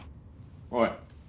おい。